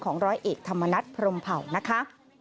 ร้อยเอกธรรมนัฐพรมเผ่านะคะ